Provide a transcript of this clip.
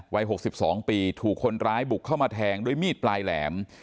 วัย๖๒ปีถูกคนร้ายบุกเข้ามาแทงด้วยมีดปลายแหลม